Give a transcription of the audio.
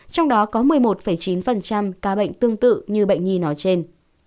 trong đó có một mươi một chín ca bệnh tương tự như bệnh nhi nói trên